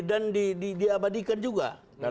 dan diabadikan juga